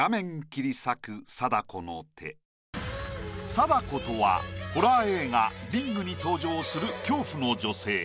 「貞子」とはホラー映画「リング」に登場する恐怖の女性。